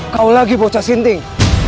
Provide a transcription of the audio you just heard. kau lagi bocah sinding